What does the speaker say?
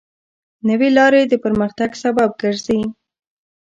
نوې لارې د پرمختګ سبب ګرځي.